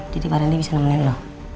jadi pak rendy bisa nemani ibu